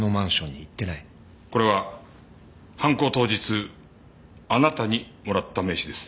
これは犯行当日あなたにもらった名刺です。